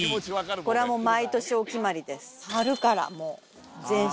これはもう、毎年お決まりです。